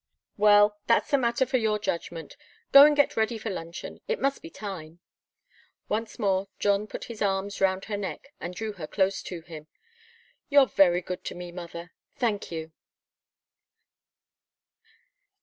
"Well that's a matter for your judgment. Go and get ready for luncheon. It must be time." Once more John put his arms round her neck, and drew her close to him. "You're very good to me, mother thank you!"